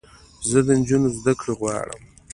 زه د انجونوو زدکړې غواړم